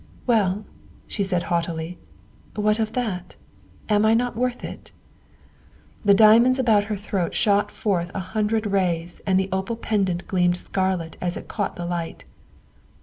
" Well," she said haughtily, " what of that? Am I not worth it?" The diamonds about her throat shot forth a hundred rays and the opal pendant gleamed scarlet as it caught the light.